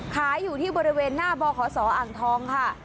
ขายอยู่ที่บริเวณหน้าบขศอ่างทองค่ะ